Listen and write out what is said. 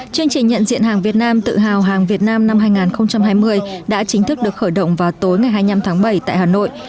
chương trình nhận diện hàng việt nam tự hào hàng việt nam năm hai nghìn hai mươi đã chính thức được khởi động vào tối ngày hai mươi năm tháng bảy tại hà nội